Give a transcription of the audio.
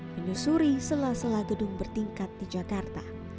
menyusuri sela sela gedung bertingkat di jakarta